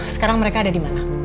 sekarang mereka ada dimana